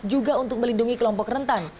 juga untuk melindungi kelompok rentan